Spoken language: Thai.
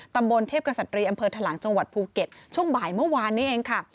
ตำบลเทพกษัตรีอำเภอทะลังจังหวัดภูเก็ตช่วงบ่ายเมื่อวานนี้เองค่ะ